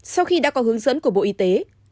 bộ y tế đã có hướng dẫn của bộ y tế